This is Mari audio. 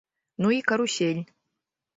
Ну и карусель!